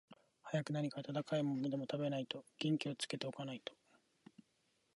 早く何か暖かいものでも食べて、元気をつけて置かないと、